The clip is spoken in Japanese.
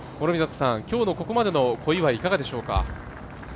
今日のここまでの小祝いかがでしょうか。